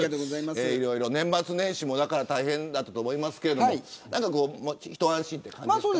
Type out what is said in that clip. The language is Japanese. いろいろ年末年始も大変だったと思いますが一安心という感じですか。